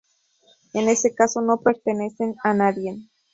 En ese caso, no pertenecen a nadie.